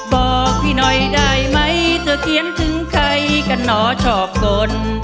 บอกพี่หน่อยได้ไหมเธอเขียนถึงใครกันหนอชอบสน